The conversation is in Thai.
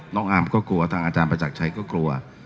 อาร์มก็กลัวทางอาจารย์ประจักรชัยก็กลัว